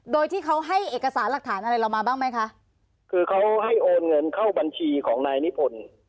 โดยที่เขาให้เอกสารหลักฐานอะไรเรามาบ้างไหมคะคือเขาให้โอนเงินเข้าบัญชีของนายนิพนธ์